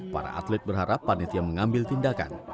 para atlet berharap panitia mengambil tindakan